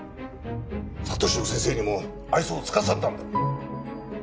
里城先生にも愛想を尽かされたんだろ！？